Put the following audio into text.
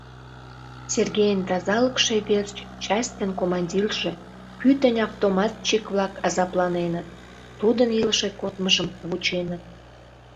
Сергейын тазалыкше верч частьын командирже, пӱтынь автоматчик-влак азапланеныт, тудын илыше кодмыжым вученыт.